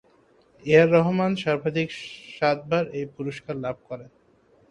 এ আর রহমান সর্বাধিক সাতবার এই পুরস্কার লাভ করেন।